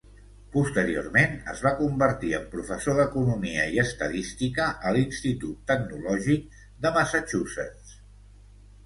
Posteriorment, es va convertir en professor d'economia i estadística a l'Institut Tecnològic de Massachusetts.